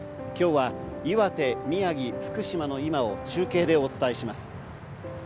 今日は岩手、宮城、福島の今を中継でお伝えします。